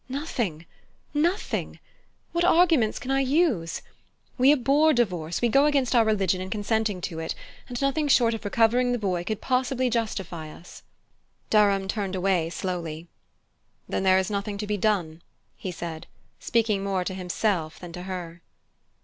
"Nothing, nothing: what arguments can I use? We abhor divorce we go against our religion in consenting to it and nothing short of recovering the boy could possibly justify us." Durham turned slowly away. "Then there is nothing to be done," he said, speaking more to himself than to her.